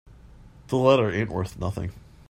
The letter ain't worth nothing.